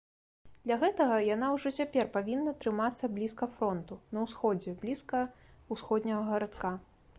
Для гэтага яна ўжо цяпер павінна трымацца блізка фронту, на ўсходзе, блізка ўсходняга гарадка.